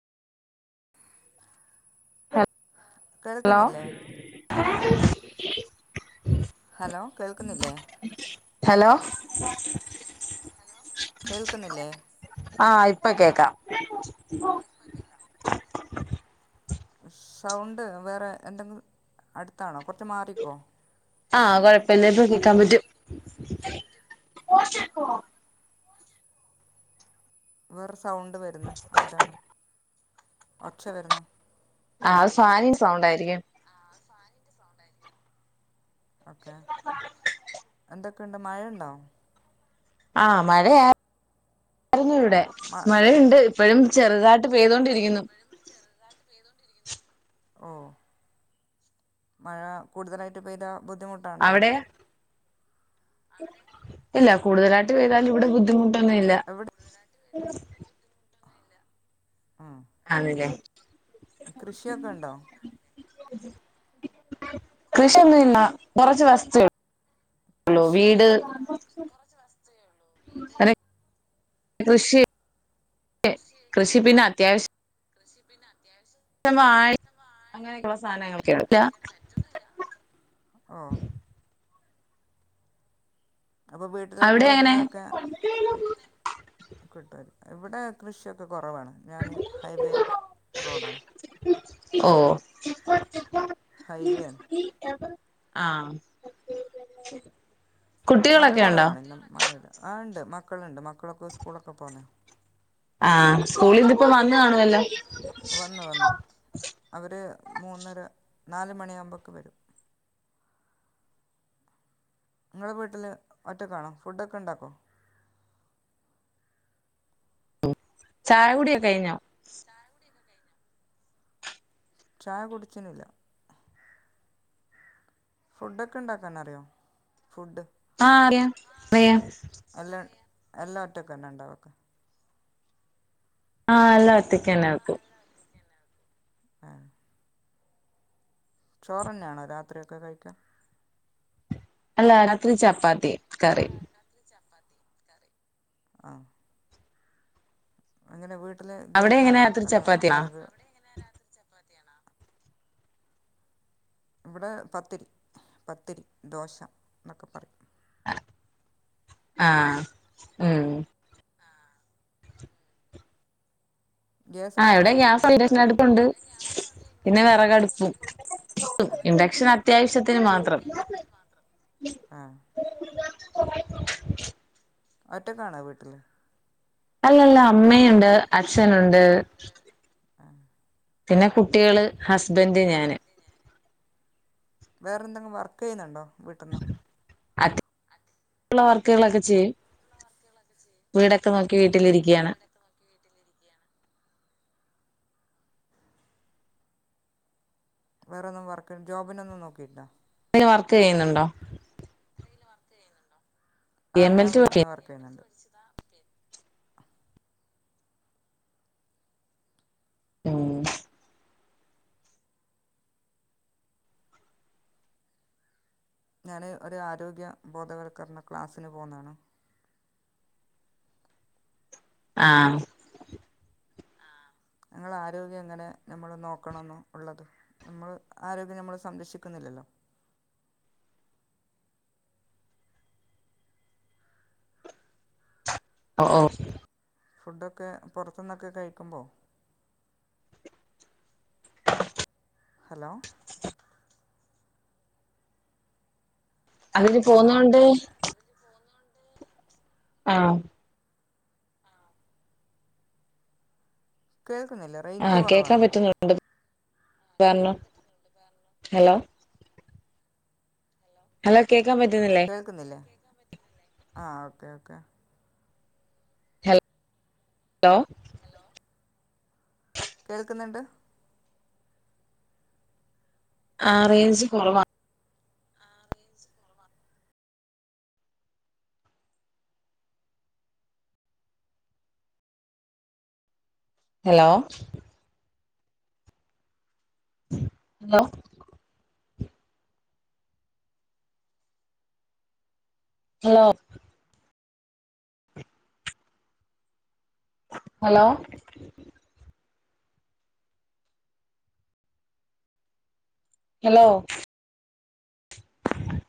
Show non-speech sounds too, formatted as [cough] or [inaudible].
ആ കേൾക്കുന്നില്ലേ ഹലോ കേൾക്കുന്നില്ലേ ഹലോ കേൾക്കുന്നില്ലേ ആ ഇപ്പൊ കേക്കാം സൗണ്ട് വേറെ എന്തെങ്കിലും അടുത്താണോ കൊറച്ച് മാറിക്കുവോ കോട്ടിക്ക വറ സൗണ്ട് വരുന്നത് അതാണോ ഒച്ച വരുന്നു ആ സാനിയ സൗണ്ട ആയിരിക്കും ക്കെ എന്തൊ ഒക്ക ഇണ്ടോ മഴ ഉണ്ടോ ആ മഴയാ ഉ മഴയുണ്ട് ഇപ്പോഴും ചെറുകാ ട്ട് പെയ്തൊണ്ടിരിക്കുന്നു ഓ മഴ കൂടുതലായിട്ട് പെയ്താ ബുദ്ധിമുട്ടാണ്ടോ അവിടെയാ ഇല്ല കൂടുതലായിട്ട് പെയ്താല് ഇവിടെ ബുദ്ധിമു ട്ടൊന്നുല്ല. എവിടെ ഉം ആന്ന്ലേ കൃഷിയൊക്കെ ണ്ടോ? കൃഷിയൊന്നുല്ല. കൊറച്ച് വസ്തു ഉള്ളു കൃഷിയൊ വീട് അ കൃഷി കെ കൃഷി പിന്നെ കാശ് ഷി പിന്നെ അത്യാവിശൃ പിന്നെ വാഴ് അങ്ങനെയൊക്കള്ള സാനങ്ങളൊക്കെ ഓ അപ്പൊ വീട്ടിലേക്ക് അവിടെ എങ്ങനെ വേണ്ടുന്നൊക്കെ കിട്ടൊ ഇവിടെ കൃഷിക്കെ കൊറവാണ് ഞാന് ഹൈവേ റോഡാണ്. ഓ ഹൈവേണ്. ആ മഴ കൊറവാണ് ഇന്നും [unintelligible] ആ ഇണ്ട് മ ക്കളുണ്ട് മക്കളൊക്കെ സ്കൂളൊക്കെ പോന്നയാ. ആ സ്കൂളിന്നിപ്പോ വന്നു കാണുവല്ലോ? വന്നു വന്നു അവർ മൂന്നര നാല് മണിയാകുമ്പേക്ക് വരും. നിങ്ങള് വീട്ടില് ഒറ്റക്കാണോ ഫുഡൊക്കെണ്ടാക്കോ? ചായ കുടിയൊക്കെ കഴിഞ്ഞോ? ചായ കുടിച്ചിനില്ല. ഫുഡ്ഡ് ഒക്കെ ഇണ്ടാക്കാൻ അറിയോ? ഫുഡ് ആ അറിയാ അറിയാ. എല്ലാ ഒറ്റക്കന്നെണ്ടാക്കാ? ആ എല്ലാം ഒറ്റക്കന്നെ വെക്കുന്നത്. ആ ചോറന്നെയാണോ രാത്രി ഒക്കെ കഴിക്കാ? അല്ല രാത്രി ചപ്പാത്തിയും കറി. ആ അങ്ങനെ വീ ട്ടില് അവിടെ എങ്ങനെ ഗ്യാസാണോ രാത്രി അല്ലാ ചപ്പാത്തിയാ വെറക് ഇവിടെ പത്തിരി, പത്തിരി, ദോശാന്നൊക്കെ പറയും. ആ ഉം ഗ്യാസ് ആ ഇവിടെ അടുപ്പാണോ ഗ്യാസ്ണ്ട് ഉപയോഗിക്കാറ് ഇഡക്ഷനടുപ്പുണ്ട് പിന്നെ വെറകടുപ്പും ഇഡക്ഷൻ അത്യാവശ്യത്തിന് മാത്രം [inaudible] ആ ഒറ്റക്കാണൊ വീട്ടില് അല്ലല്ല അമ്മയുണ്ട് അച്ഛനുണ്ട് ആ പിന്നെ കുട്ടികള് ഹസ്ബൻ്റ് ഞാന് വേറെന്തെങ്കിലും വർക്ക്യ്യുന്നുണ്ടോ വീട്ട്ന്ന് [unintelligible] വർക്കുകളൊക്കെ ചെയ്യും വീട് [unintelligible] നോക്കി ആ വീട്ടിലിരിക്കാണ് വേറ ഒന്നും വർക്ക് ജോബിനൊന്നും നോക്കില്ലാ വർക്ക് ചെയ്യുന്നുണ്ടോ പി ആ എം ഞാൻ എൽ ടി വീട്ട്ന്ന് വർക്ക് ചെയ്യുന്നുണ്ട് [unintelligible] ആ ഞാന് ഒരു ആരോഗ്യ ബോധവൽക്കരണ ക്ലാസ്സിന് പോകുന്നതാണ് ആ ഞങ്ങൾ ആരോഗ്യം ങ്ങനെ നമ്മള് നോക്കണംന്ന്ള്ളത് നമ്മൾ ആരോഗ്യം നമ്മൾ സംരക്ഷിക്കുന്നില്ലല്ലോ ഓ ഓ ഫുഡൊക്കെ പൊറത്തുന്നൊക്കെ കഴിക്കുമ്പോ ഹലോ അതിന് ഹലോ പോന്നോണ്ട് ആ കേൾക്കുന്നില്ല റേഞ്ച് ആഹ് കേക്കാൻ കൊറവാണോ [unintelligible] ഹലോ ഹലോ കേ കേക്കുന്നില്ലേ അ ഓക്കെ ഓക്കെ ഹലോ കേൾക്ക്ന്ന്ണ്ട് ആ റേഞ്ച് കൊറവാ hello hello no hello hello